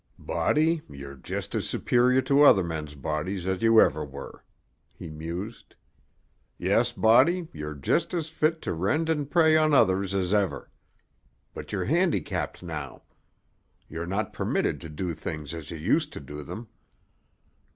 "Body, you're just as superior to other men's bodies as you ever were," he mused. "Yes, Body, you're just as fit to rend and prey on others as ever. But you're handicapped now. You're not permitted to do things as you used to do them.